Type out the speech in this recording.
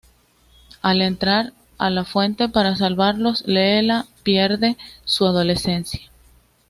Al entrar a la fuente para salvarlos, Leela pierde su adolescencia.